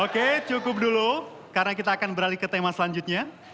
oke cukup dulu karena kita akan beralih ke tema selanjutnya